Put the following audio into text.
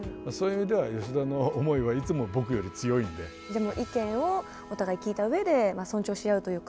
じゃあもう意見をお互い聞いたうえで尊重し合うというか。